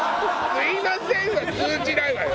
「すいません」は通じないわよ